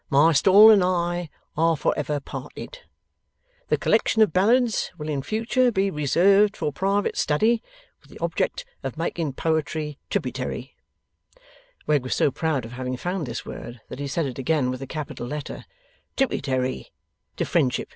My stall and I are for ever parted. The collection of ballads will in future be reserved for private study, with the object of making poetry tributary' Wegg was so proud of having found this word, that he said it again, with a capital letter 'Tributary, to friendship.